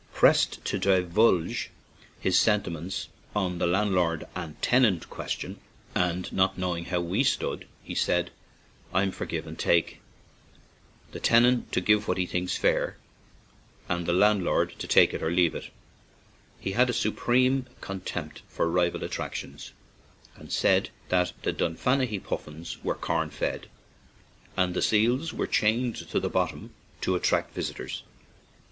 Pressed to divulge his sentiments on the landlord and tenant question, and not knowing how we stood, he said: "I'm for 'give and take'; the tenant to give what he thinks fair, and the landlord to take it or leave it." 80 ACHILL ISLAND He had a supreme contempt for rival attractions, and said that the Dunfanaghy puffins were corn fed and the seals were chained to the bottom to attract visitors.